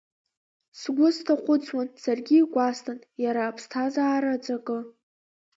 Сгәы сҭахәыцуан, саргьы игәасҭан, иара аԥсҭазаара аҵакы.